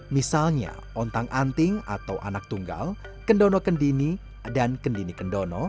misalnya ontang anting atau anak tunggal kendono kendini dan kendini kendono